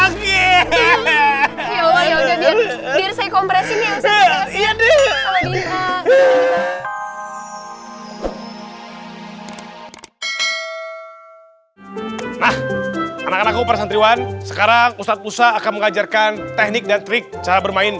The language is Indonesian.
nah anak anakku para santriwan sekarang ustadz pusa akan mengajarkan teknik dan trik cara bermain